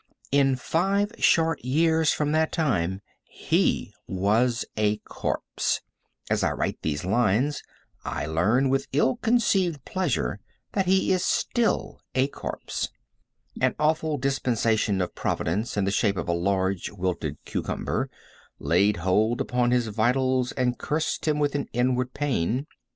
In five short years from that time he was a corpse. As I write these lines, I learn with ill concealed pleasure that he is still a corpse. An awful dispensation of Providence, in the shape of a large, wilted cucumber, laid hold upon his vitals and cursed him with an inward pain.